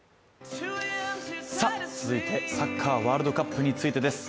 続いて、サッカーワールドカップについてです。